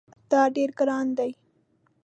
دا ډیر ګران دی